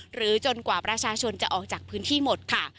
จนกว่าประชาชนจะออกจากพื้นที่หมดค่ะ